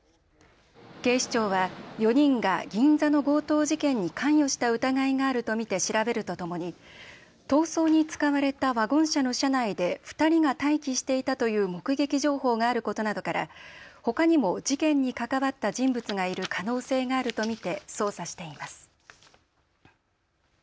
警視庁は４人が銀座の強盗事件に関与した疑いがあると見て調べるとともに逃走に使われたワゴン車の車内で２人が待機していたという目撃情報があることなどからほかにも事件に関わった人物がいる可能性があると見て捜査しています。